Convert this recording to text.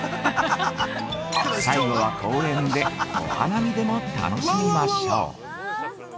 最後は公園でお花見でも楽しみしましょう。